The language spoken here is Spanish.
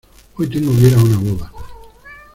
Hoy tengo que ir a una boda.